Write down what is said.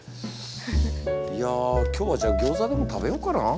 いや今日はじゃあギョーザでも食べようかな。